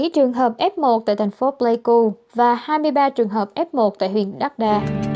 bảy trường hợp f một tại thành phố pleiku và hai mươi ba trường hợp f một tại huyện dada